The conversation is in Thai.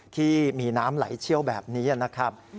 ที่มีน้ำไหลเชี่ยวแบบนี้นะครับ